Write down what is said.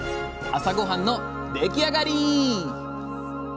朝ごはんの出来上がり！